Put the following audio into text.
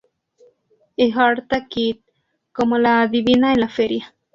Eartha Kitt como La adivina en la feria.